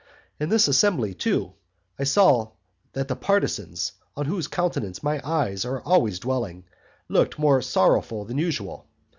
And in this assembly, too, I saw that the partisans, on whose countenance my eyes are always dwelling, looked more sorrowful than usual.